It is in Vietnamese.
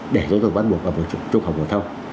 để cho chúng tôi bắt buộc vào trung học phổ thông